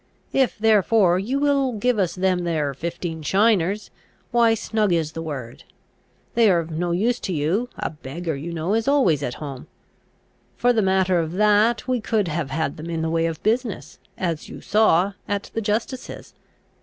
If therefore you will give us them there fifteen shiners, why snug is the word. They are of no use to you; a beggar, you know, is always at home. For the matter of that, we could have had them in the way of business, as you saw, at the justice's.